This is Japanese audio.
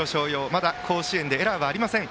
まだ甲子園でエラーはありません。